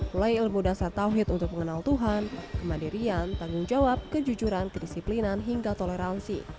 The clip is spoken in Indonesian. mulai ilmu dasar tawhid untuk mengenal tuhan kemandirian tanggung jawab kejujuran kedisiplinan hingga toleransi